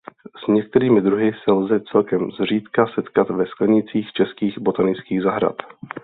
S některými druhy se lze celkem zřídka setkat ve sklenících českých botanických zahrad.